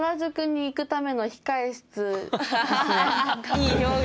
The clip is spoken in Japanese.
いい表現。